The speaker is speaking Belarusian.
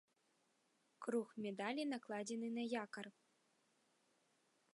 Круг медалі накладзены на якар.